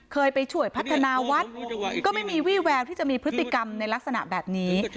เคยไปช่วยพัฒนาวัดก็ไม่มีวี่แววที่จะมีพฤติกรรมในลักษณะแบบนี้